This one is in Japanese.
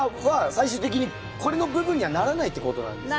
最終的にこれの部分にはならないってことなんですね。